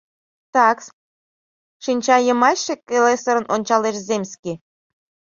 — Так-с! — шинча йымачше келесырын ончалеш земский.